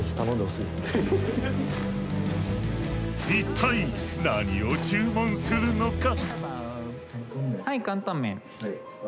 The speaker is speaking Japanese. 一体何を注文するのか？